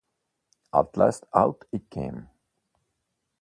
At last out it came.